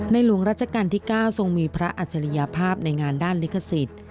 หลวงรัชกาลที่๙ทรงมีพระอัจฉริยภาพในงานด้านลิขสิทธิ์